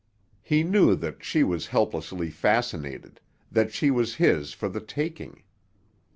He knew that she was helplessly fascinated, that she was his for the taking.